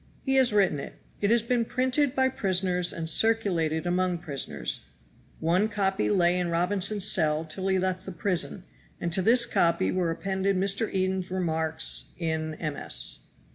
He has written it. It has been printed by prisoners and circulated among prisoners. One copy lay in Robinson's cell till he left the prison, and to this copy were appended Mr. Eden's remarks in MS.